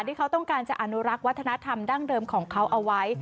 ที่เขาต้องการจะอนุรักษ์วัฒนธรรมดั้งเดิมของเขาเอาไว้